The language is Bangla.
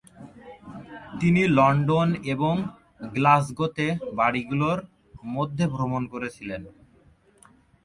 তিনি লন্ডন এবং গ্লাসগোতে বাড়িগুলির মধ্যে ভ্রমণ করেছিলেন।